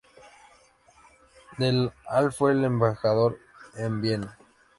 Del al fue embajador en Viena.